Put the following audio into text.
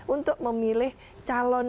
untuk memilih calon